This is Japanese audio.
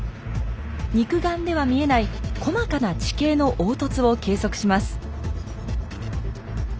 肉眼では見えない細かな地形の凹凸を計測します。